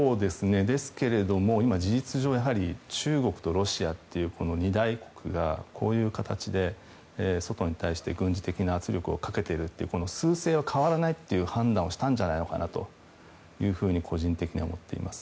ですけれども今、事実上中国とロシアという２大国がこういう形で外に対して軍事的な圧力をかけているすう勢は変わらないという判断をしたんじゃないのかなというふうに個人的には思っています。